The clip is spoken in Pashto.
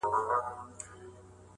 نو تاسو ئې څنګه وکيله کړئ